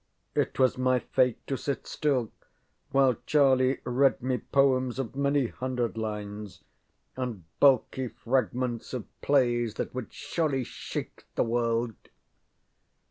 It was my fate to sit still while Charlie read me poems of many hundred lines, and bulky fragments of plays that would surely shake the world.